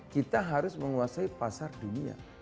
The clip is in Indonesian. kita harus menguasai pasar dunia